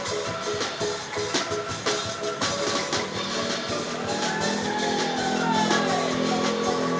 enggak appealsin mereka